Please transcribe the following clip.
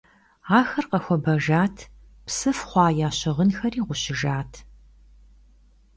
Ахэр къэхуэбэжат, псыф хъуа я щыгъынхэри гъущыжат.